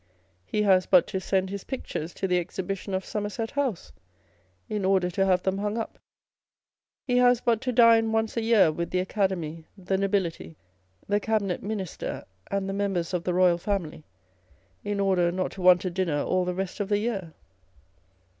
He has but to send his pictures to the Exhibition of Somerset House, in order to have them * hung up : he has but to dine once a year with the Academy, the Nobility, the Cabinet Minister, and the Members of the Royal Family, in order not to want a dinner all the rest of the year.